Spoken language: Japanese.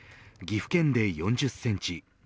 岐阜県で４０センチ